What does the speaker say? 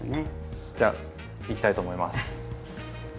じゃいきたいと思います。